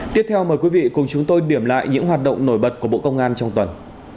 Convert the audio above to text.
tiếp theo mời quý vị cùng chúng tôi điểm lại những hoạt động nổi bật của bộ công an trong tuần